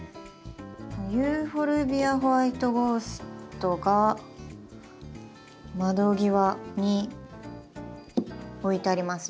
ユーフォルビア・ホワイトゴーストが窓際に置いてあります。